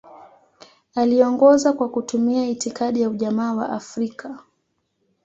Aliongoza kwa kutumia itikadi ya Ujamaa wa Afrika.